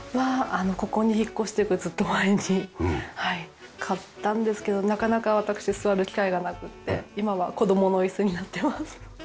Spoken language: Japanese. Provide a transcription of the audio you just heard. ここに引っ越してくるずっと前に買ったんですけどなかなか私座る機会がなくって今は子供の椅子になってます。